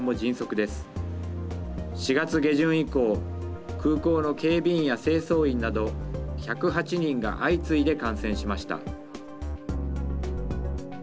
下旬以降、空港の警備員や清掃員など１０８人が相次いで感染しました。